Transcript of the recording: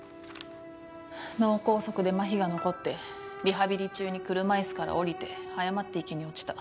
脳梗塞でまひが残ってリハビリ中に車いすから降りて誤って池に落ちた。